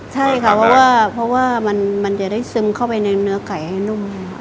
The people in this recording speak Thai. ใช่ค่ะเพราะว่ามันจะได้ซึมเข้าไปในเนื้อไก่ให้นุ่ม